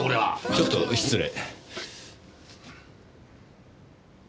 ちょっと失礼。